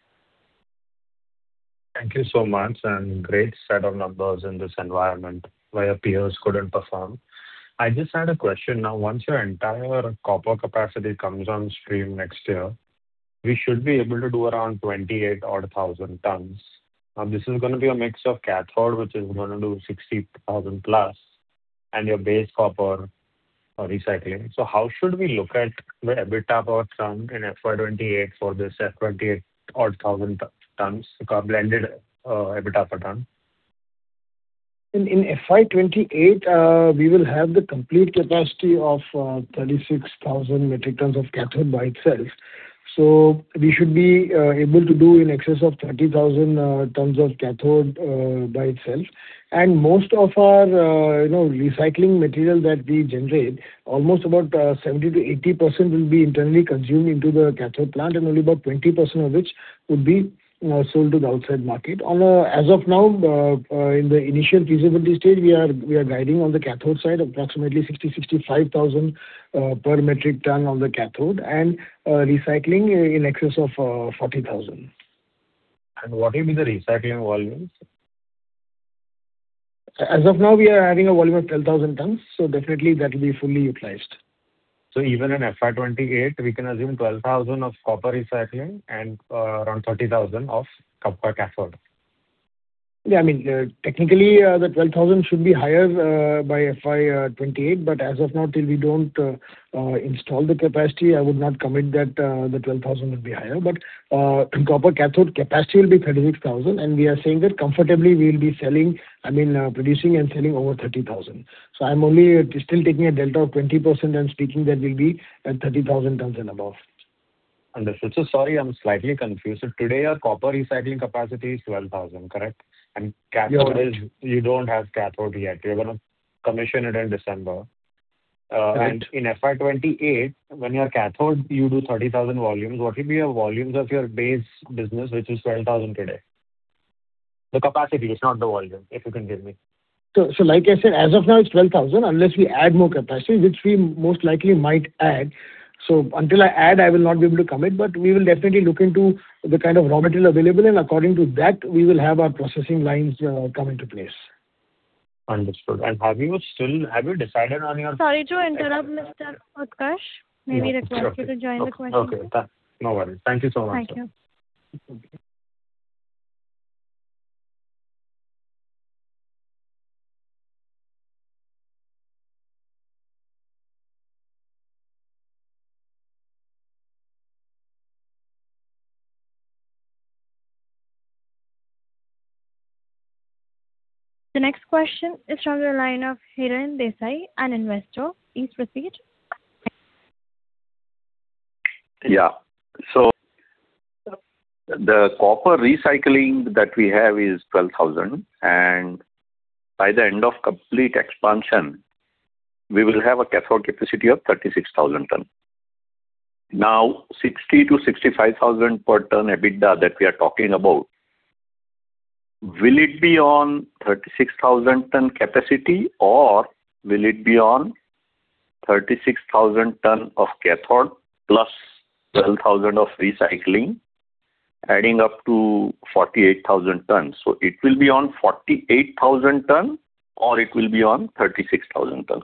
Thank you so much. Great set of numbers in this environment where peers couldn't perform. I just had a question. Now, once your entire copper capacity comes on stream next year, we should be able to do around 28,000 odd tons. This is going to be a mix of cathode, which is going to do 60,000+, and your base copper recycling. How should we look at the EBITDA per ton in FY 2028 for this 28,000 odd tons blended EBITDA per ton? In FY 2028, we will have the complete capacity of 36,000 metric tons of cathode by itself. We should be able to do in excess of 30,000 tons of cathode by itself. Most of our recycling material that we generate, almost about 70%-80% will be internally consumed into the cathode plant, and only about 20% of which would be sold to the outside market. As of now, in the initial feasibility stage, we are guiding on the cathode side, approximately 60,000-65,000 per metric ton on the cathode, and recycling in excess of 40,000. What will be the recycling volumes? As of now, we are adding a volume of 12,000 tons, so definitely that will be fully utilized. Even in FY 2028, we can assume 12,000 of copper recycling and around 30,000 of copper cathode. Yeah, technically, the 12,000 should be higher by FY 2028, but as of now, till we don't install the capacity, I would not commit that the 12,000 would be higher. Copper cathode capacity will be 36,000, and we are saying that comfortably we'll be producing and selling over 30,000. I'm only still taking a delta of 20% and speaking that we'll be at 30,000 tons and above. Sorry, I'm slightly confused. Today, our copper recycling capacity is 12,000, correct? Yeah. You don't have cathode yet. You're going to commission it in December. Correct. In FY 2028, when your cathode, you do 30,000 volumes, what will be your volumes of your base business, which is 12,000 today? The capacity, it's not the volume, if you can give me. Like I said, as of now, it's 12,000, unless we add more capacity, which we most likely might add. Until I add, I will not be able to commit, but we will definitely look into the kind of raw material available, and according to that, we will have our processing lines come into place. Understood. Have you decided on your. Sorry to interrupt, Mr. Utkarsh. May we request you to join the question? Okay. No worry. Thank you so much. Thank you. Okay. The next question is from the line of Hiren Desai, an investor. Please proceed. Yeah. The copper recycling that we have is 12,000, and by the end of complete expansion, we will have a cathode capacity of 36,000 ton. Now, 60,000-65,000 per ton EBITDA that we are talking about, will it be on 36,000 ton capacity, or will it be on 36,000 ton of cathode plus 12,000 of recycling, adding up to 48,000 tons? It will be on 48,000 ton or it will be on 36,000 ton?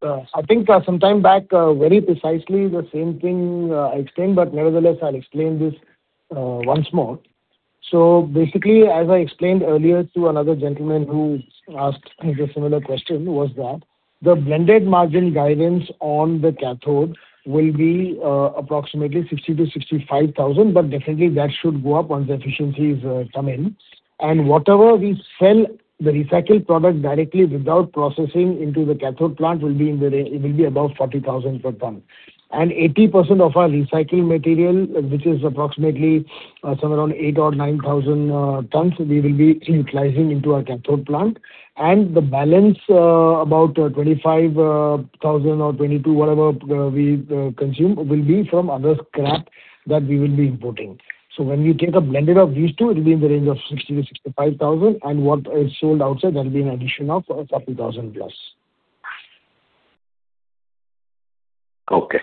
I think sometime back, very precisely the same thing I explained, nevertheless, I'll explain this once more. Basically, as I explained earlier to another gentleman who asked a similar question was that the blended margin guidance on the cathode will be approximately 60,000-65,000, but definitely that should go up once the efficiencies come in. Whatever we sell the recycled product directly without processing into the cathode plant will be above 40,000 per ton. 80% of our recycling material, which is approximately somewhere around eight or 9,000 tons, we will be utilizing into our cathode plant. The balance, about 25,000 or 22,000 whatever we consume, will be from other scrap that we will be importing. When we take a blended of these two, it will be in the range of 60,000-65,000. What is sold outside, that will be an addition of 30,000+. Okay.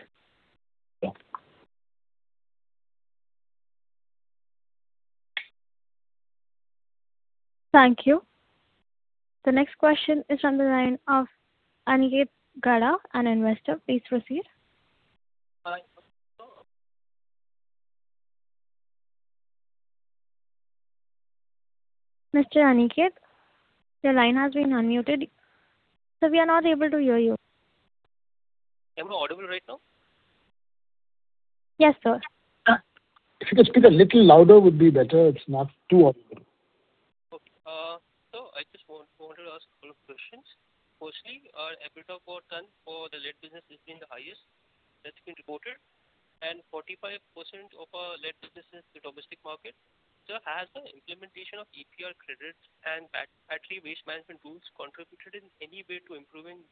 Yeah. Thank you. The next question is from the line of Aniket Gada, an investor. Please proceed. Mr. Aniket, your line has been unmuted. Sir, we are not able to hear you. Am I audible right now? Yes, sir. If you can speak a little louder would be better. It's not too audible. I just wanted to ask a couple of questions. Firstly, our EBITDA per ton for the lead business has been the highest that has been reported, and 45% of our lead business is the domestic market. Has the implementation of EPR credits and battery waste management rules contributed in any way to improving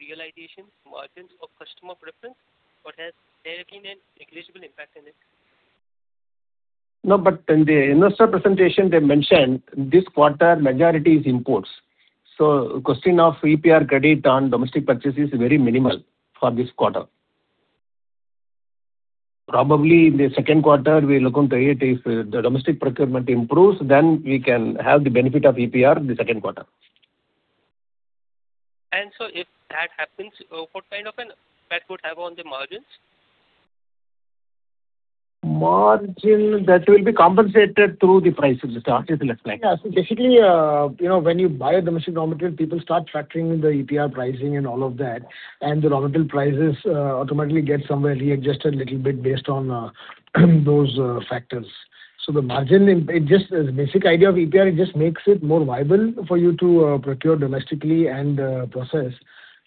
realization margins of customer preference, or has there been a negligible impact in it? No, in the investor presentation, they mentioned this quarter majority is imports. Question of EPR credit on domestic purchase is very minimal for this quarter. Probably in the second quarter, we look into it. If the domestic procurement improves, we can have the benefit of EPR in the second quarter. If that happens, what kind of an effect would have on the margins? Margin, that will be compensated through the price, Mr. Ashish. Basically, when you buy a domestic raw material, people start factoring in the EPR pricing and all of that, and the raw material prices automatically get somewhere readjusted little bit based on those factors. The margin, the basic idea of EPR, it just makes it more viable for you to procure domestically and process,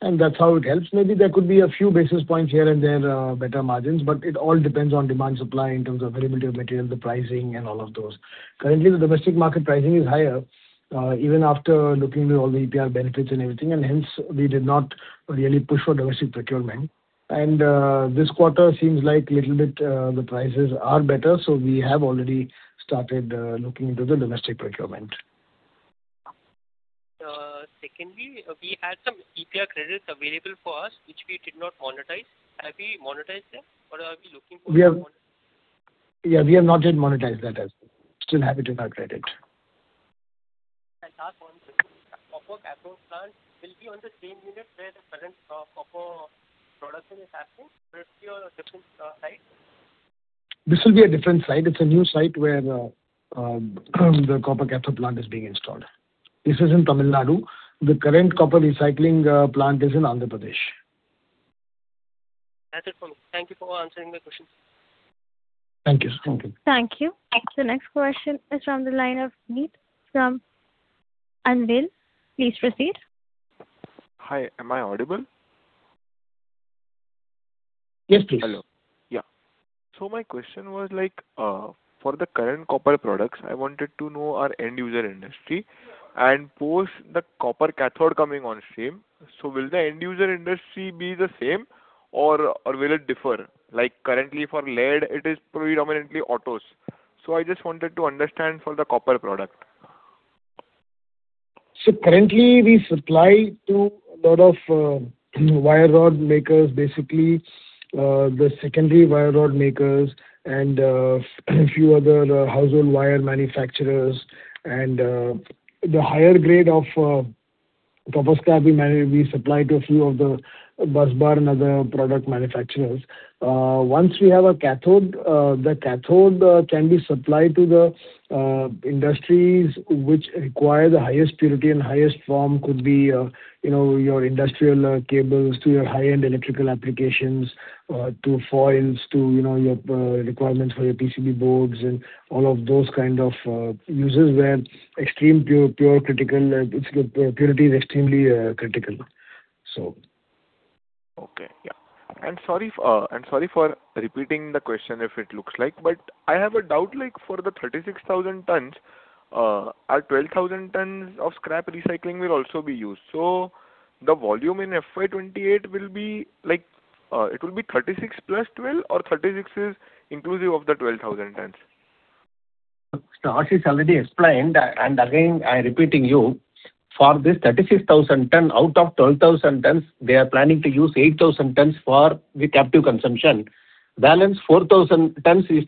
and that's how it helps. Maybe there could be a few basis points here and there, better margins, but it all depends on demand, supply in terms of availability of material, the pricing, and all of those. Currently, the domestic market pricing is higher, even after looking at all the EPR benefits and everything, hence we did not really push for domestic procurement. This quarter seems like little bit, the prices are better, so we have already started looking into the domestic procurement. Secondly, we had some EPR credits available for us, which we did not monetize. Have we monetized them or are we looking for. Yeah, we have not yet monetized that as still have it in our credit. Last one. Copper cathode plant will be on the same unit where the current copper production is happening or it will be on a different site? This will be a different site. It's a new site where the copper cathode plant is being installed. This is in Tamil Nadu. The current copper recycling plant is in Andhra Pradesh. That's it for me. Thank you for answering my question. Thank you, sir. Thank you. Thank you. The next question is from the line of Meet from Anvil. Please proceed. Hi, am I audible? Yes, please. Hello. Yeah. My question was, for the current copper products, I wanted to know our end user industry and post the copper cathode coming on stream. Will the end user industry be the same or will it differ? Like currently for lead, it is predominantly autos. I just wanted to understand for the copper product. Currently, we supply to a lot of wire rod makers, basically, the secondary wire rod makers and a few other household wire manufacturers. The higher grade of copper scrap we supply to a few of the busbar and other product manufacturers. Once we have a cathode, the cathode can be supplied to the industries which require the highest purity and highest form. Could be your industrial cables to your high-end electrical applications, to foils, to your requirements for your PCB boards and all of those kind of uses where purity is extremely critical. Okay. Yeah. Sorry for repeating the question if it looks like, I have a doubt, like for the 36,000 tons, our 12,000 tons of scrap recycling will also be used. The volume in FY 2028, it will be 36 plus 12 or 36 is inclusive of the 12,000 tons? Mr. Ashish already explained, again, I'm repeating you. For this 36,000 ton, out of 12,000 tons, they are planning to use 8,000 tons for the captive consumption. Balance 4,000 tons is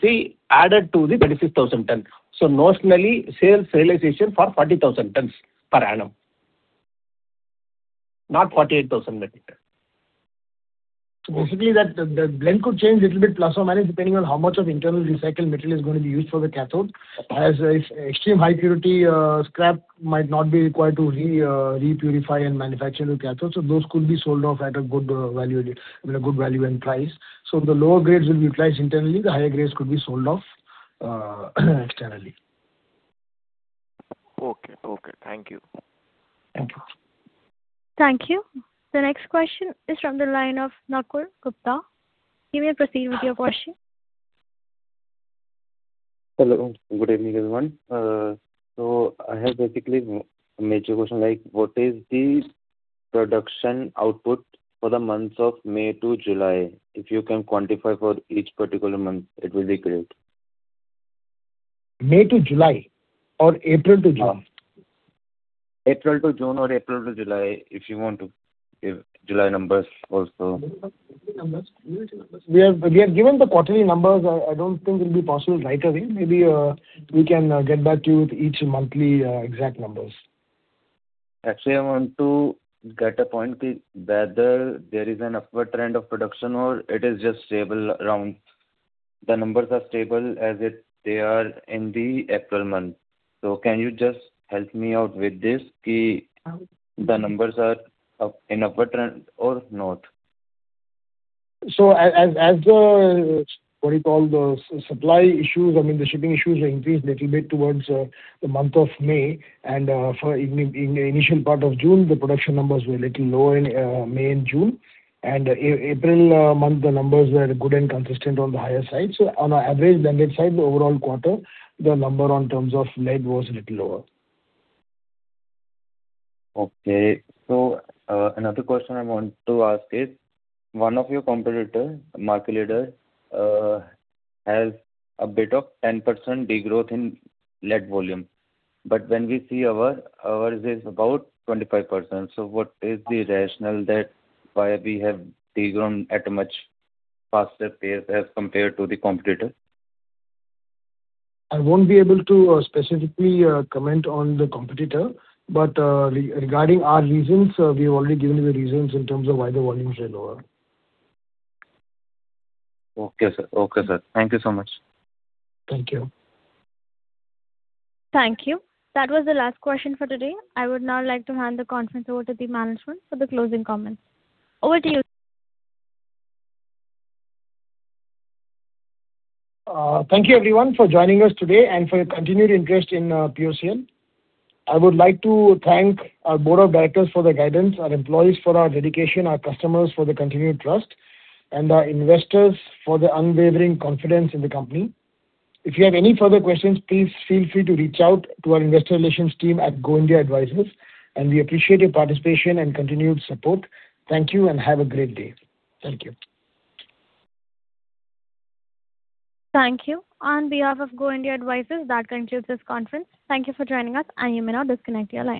added to the 36,000 tons. Notionally, sales realization for 40,000 tons per annum, not 48,000 metric ton. Basically, the blend could change little bit plus or minus, depending on how much of internal recycled material is going to be used for the cathode. As if extreme high purity scrap might not be required to repurify and manufacture the cathode. Those could be sold off at a good value and price. The lower grades will be utilized internally, the higher grades could be sold off externally. Okay. Thank you. Thank you. Thank you. The next question is from the line of Nakul Gupta. You may proceed with your question. Hello. Good evening, everyone. I have basically a major question, what is the production output for the months of May to July? If you can quantify for each particular month, it will be great. May to July or April to June? April to June or April to July, if you want to give July numbers also. We have given the quarterly numbers. I don't think it'll be possible right away. Maybe, we can get back to you with each monthly exact numbers. Actually, I want to get a point, whether there is an upward trend of production or it is just stable around. The numbers are stable as they are in the April month. Can you just help me out with this, the numbers are in upward trend or not? As the supply issues, the shipping issues have increased little bit towards the month of May, for initial part of June, the production numbers were little low in May and June. April month, the numbers were good and consistent on the higher side. On an average blended side, the overall quarter, the number on terms of lead was a little lower. Okay. Another question I want to ask is, one of your competitor, market leader, has a bit of 10% degrowth in lead volume. When we see ours is about 25%. What is the rationale that why we have degrown at a much faster pace as compared to the competitor? I won't be able to specifically comment on the competitor, regarding our reasons, we have already given you the reasons in terms of why the volumes are lower. Okay, sir. Thank you so much. Thank you. Thank you. That was the last question for today. I would now like to hand the conference over to the management for the closing comments. Over to you, sir. Thank you everyone for joining us today and for your continued interest in POCL. I would like to thank our board of directors for their guidance, our employees for their dedication, our customers for their continued trust, and our investors for their unwavering confidence in the company. If you have any further questions, please feel free to reach out to our investor relations team at Go India Advisors, and we appreciate your participation and continued support. Thank you and have a great day. Thank you. Thank you. On behalf of Go India Advisors, that concludes this conference. Thank you for joining us, and you may now disconnect your lines.